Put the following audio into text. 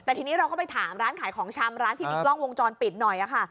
แต่ทีนี้เราก็ไปถามร้านขายของชำร้านที่มีกล้องวงจรปิดหน่อยค่ะ